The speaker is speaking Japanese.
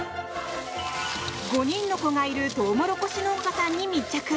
５人の子がいるトウモロコシ農家さんに密着！